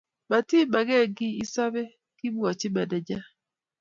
matimakenkiy isobe, kimwachi meneja